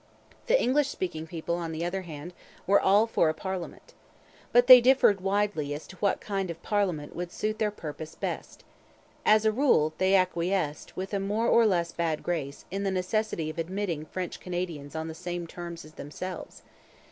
The English speaking people, on the other hand, were all for a parliament. But they differed widely as to what kind of parliament would suit their purpose best. As a rule they acquiesced, with a more or less bad grace, in the necessity of admitting French Canadians on the same terms as themselves.